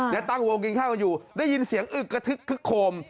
ตั้งวงกินข้าวกันอยู่ได้ยินเสียงอึกกระทึกคึกโคม